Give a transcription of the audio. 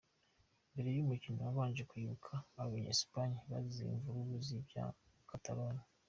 Mbere y'umukino babanje kwibuka abanya-Espagne bazize imvururu z'ibya Catalogna.